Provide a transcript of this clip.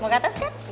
mau ke atas kan